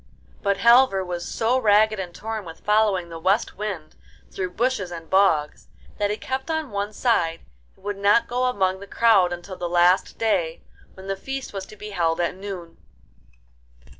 But Halvor was so ragged and torn with following the West Wind through bushes and bogs that he kept on one side, and would not go among the crowd until the last day, when the feast was to be held at noon.